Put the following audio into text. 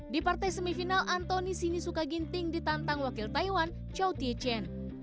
di partai semifinal antoni sini suka ginting ditantang wakil taiwan chow tietchen